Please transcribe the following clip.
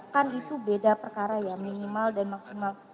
kan itu beda perkara ya minimal dan maksimal